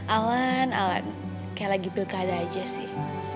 alan alan kayak lagi pilkada aja sih